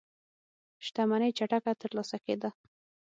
شتمنۍ چټکه ترلاسه کېده.